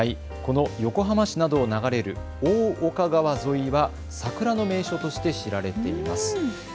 この横浜市などを流れる大岡川沿いは桜の名所として知られています。